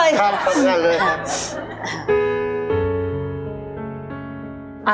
อย่างนั้นเลย